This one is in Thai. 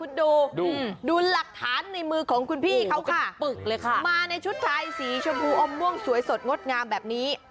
คุณดูดูหลักฐานในมือของคุณพี่เขาค่ะปึกเลยค่ะมาในชุดไทยสีชมพูอมม่วงสวยสดงดงามแบบนี้